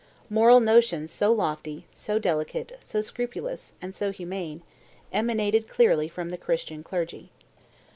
Moral notions so lofty, so delicate, so scrupulous, and so humane, emanated clearly from the Christian clergy.